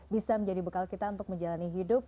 bisa menjadi bekal kita untuk menjalani hidup